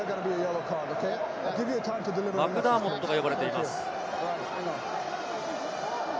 マクダーモットが呼ばれています。